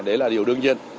đấy là điều đương nhiên